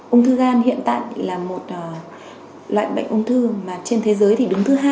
ung thư gan hiện tại là một loại bệnh ung thư mà trên thế giới thì đứng thứ hai